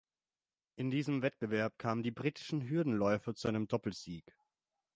In diesem Wettbewerb kamen die britischen Hürdenläufer zu einem Doppelsieg.